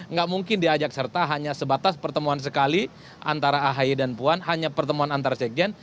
nggak mungkin diajak serta hanya sebatas pertemuan sekali antara ahy dan puan hanya pertemuan antar sekjen